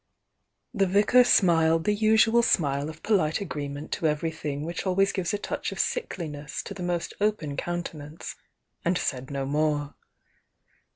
The vicar smiled the usual smile of polite agree ment to everything which always gives a touch of sickliness to the most open countenance, and said no more.